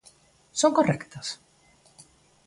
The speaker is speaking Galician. ¿Son correctas?